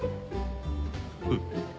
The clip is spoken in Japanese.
うん。